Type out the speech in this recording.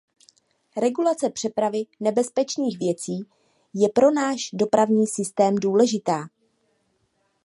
Regulace přepravy nebezpečných věcí je pro náš dopravní systém důležitá.